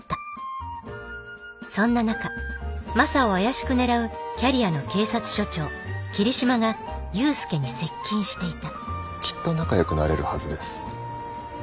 そんな中マサを怪しく狙うキャリアの警察署長桐島が勇介に接近していたきっと仲よくなれるはずです。